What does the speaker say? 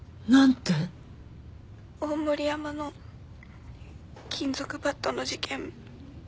☎大森山の金属バットの事件